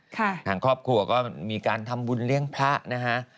ทางครอบครัวก็มีการทำบุญเลี้ยงพระนะฮะ